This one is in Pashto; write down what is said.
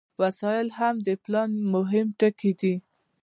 وسایل هم د پلان مهم ټکي دي.